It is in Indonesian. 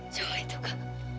cowok itu kak